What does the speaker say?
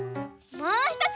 もうひとつ。